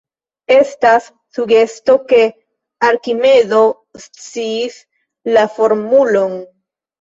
Estas sugesto ke Arkimedo sciis la formulon.